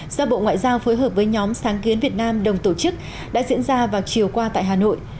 do bộ ngoại giao phối hợp với nhóm sáng kiến việt nam đồng tổ chức đã diễn ra vào chiều qua tại hà nội